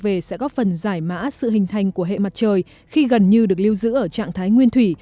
về sẽ góp phần giải mã sự hình thành của hệ mặt trời khi gần như được lưu giữ ở trạng thái nguyên thủy